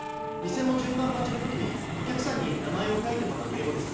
店の順番待ちの時にお客さんに名前を書いてもらう名簿です